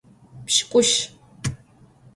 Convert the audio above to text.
Pş'ık'uşı.